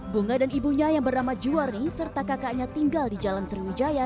bunga dan ibunya yang bernama juwarni serta kakaknya tinggal di jalan sriwijaya